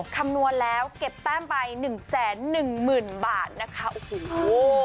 คำนวณแล้วเก็บแต้มไปหนึ่งแสนหนึ่งหมื่นบาทนะคะโอ้โห